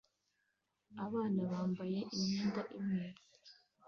Abana bambaye imyenda imwe